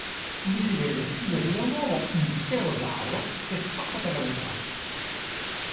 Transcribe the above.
Vi si vede schiudersi da un uovo un pterosauro che scappa per la vetrata.